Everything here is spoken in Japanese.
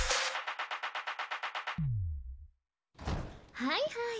はいはい。